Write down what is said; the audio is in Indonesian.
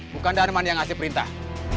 bukan darman yang ngasih perintah